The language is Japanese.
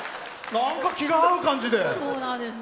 気が合う感じで。